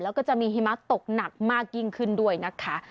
แล้วก็จะมีหิมะตกหนักมากยิ่งขึ้นด้วยนะคะ